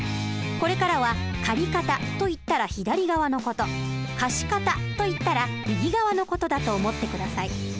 これからは借方といったら左側の事貸方といったら右側の事だと思って下さい。